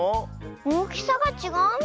おおきさがちがうね。